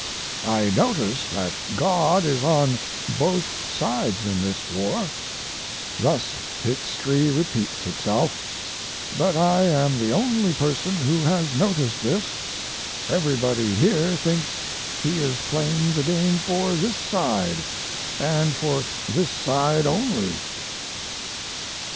I notice that God is on both sides in this war; thus history repeats itself. But I am the only person who has noticed this; everybody here thinks He is playing the game for this side, & for this side only.